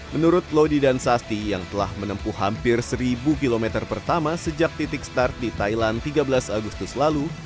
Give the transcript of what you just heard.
menurut lodi dan sasti yang telah menempuh hampir seribu km pertama sejak titik start di thailand tiga belas agustus lalu